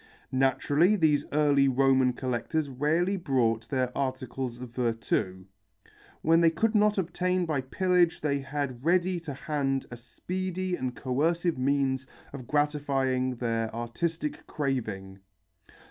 Naturally, these early Roman collectors rarely bought their articles of virtu. When they could not obtain by pillage they had ready to hand a speedy and coercive means of gratifying their artistic craving.